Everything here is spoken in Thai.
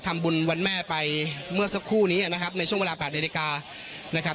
ทำบุญวันแม่ไปเมื่อสักครู่นี้นะครับในช่วงเวลา๘นาฬิกานะครับ